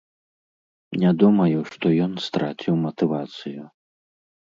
Не думаю, што ён страціў матывацыю.